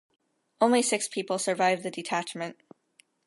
Only six people survived the detachment.